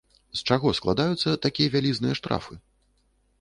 З чаго складаюцца такія вялізныя штрафы?